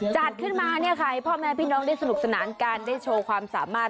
จัดขึ้นมาเนี่ยค่ะให้พ่อแม่พี่น้องได้สนุกสนานการได้โชว์ความสามารถ